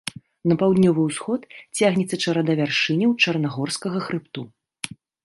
На паўднёвы ўсход цягнецца чарада вяршыняў чарнагорскага хрыбту.